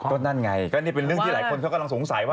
ก็นั่นไงก็นี่เป็นเรื่องที่หลายคนเขากำลังสงสัยว่า